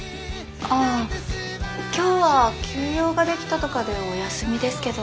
ああ今日は急用ができたとかでお休みですけど。